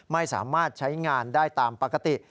ไม่สามารถใช้งานได้ตามปกติ